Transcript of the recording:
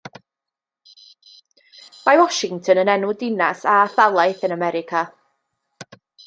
Mae Washington yn enw dinas a thalaith yn America.